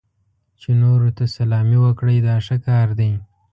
چې نورو ته سلامي وکړئ دا ښه کار دی.